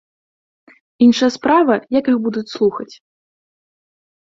Іншая справа, як іх будуць слухаць.